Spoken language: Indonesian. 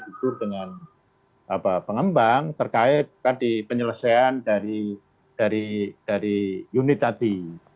jadi ada kesepakatan pilot itu dengan pengembang terkait tadi penyelesaian dari unit tadi